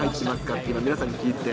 って今、皆さんに聞いて。